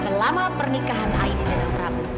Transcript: selama pernikahan aini dengan prabu